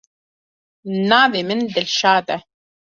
Navê min Dilşad e.